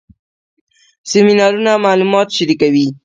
سیمینارونه معلومات شریکوي